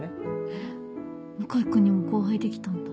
えっ向井君にも後輩できたんだ。